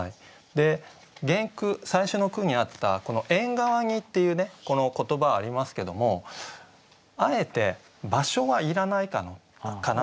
原句最初の句にあった「縁側に」っていうこの言葉ありますけどもあえて場所はいらないかなと。